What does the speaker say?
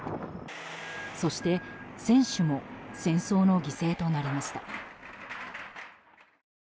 そして、選手も戦争の犠牲となりました。